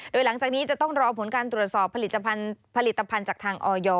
โดยหลังจากนี้จะต้องรอผลการตรวจสอบผลิตภัณฑ์จากทางออย